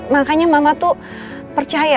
makanya mama tuh percaya